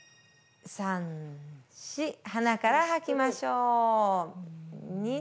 鼻から吐きましょう。